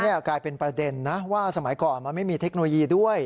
นี่กลายเป็นประเด็นนะว่าสมัยก่อนมันไม่มีเทคโนโลยีด้วย